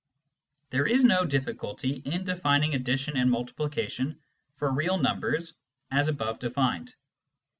There is no difficulty in defining addition and multiplication for real numbers as above defined.